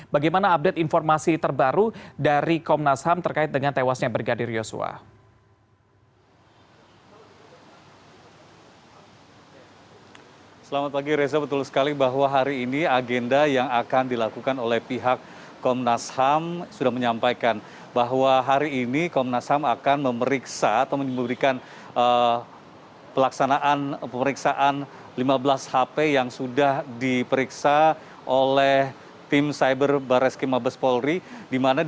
bagaimana update informasi terbaru dari komnas ham terkait dengan tewasnya brigadir yosua